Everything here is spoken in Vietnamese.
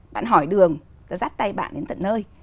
bạn hỏi đường ra rắt tay bạn đến tận nơi